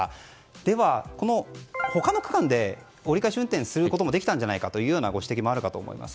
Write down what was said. では、他の区間で折り返し運転をすることができたんじゃないかというご指摘もあると思います。